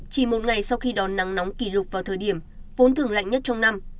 chỉ một ngày sau khi đón nắng nóng kỷ lục vào thời điểm vốn thường lạnh nhất trong năm